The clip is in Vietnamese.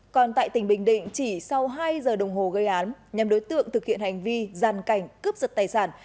còn tại tỉnh bình định chỉ sau hai giờ đồng hồ gây án nhằm đối tượng thực hiện hành vi gian cảnh cướp giật tài sản